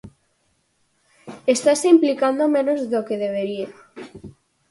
Estase implicando menos do que debería?